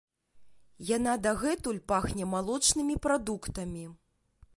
Яна дагэтуль пахне малочнымі прадуктамі.